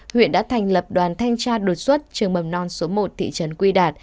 huyện đã thành lập đoàn thanh tra đột xuất trường mầm non số một thị trấn quy đạt